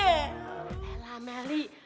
ya allah meli